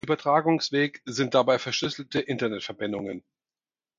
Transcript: Übertragungsweg sind dabei verschlüsselte Internetverbindungen.